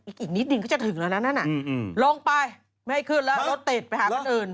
อีกนิดก็จะถึงแล้วลงไปไม่ให้ขึ้นรถติดไปหากันอื่น